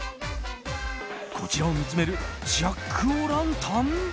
こちらを見つめるジャックオランタン？